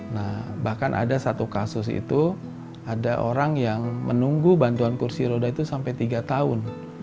nah bahkan ada satu kasus itu ada orang yang menunggu bantuan kursi roda itu sampai tiga tahun